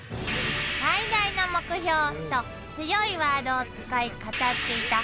「最大の目標と強いワードを使い語っていた」